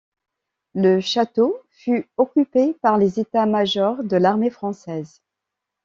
Le château fut occupé par les états-majors de l'armée française.